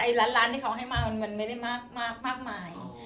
ไอ้ร้านที่เขาเอาให้มามันไม่ได้มากมากมาย